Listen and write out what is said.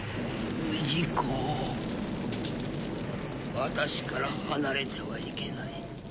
・不二子・私から離れてはいけない。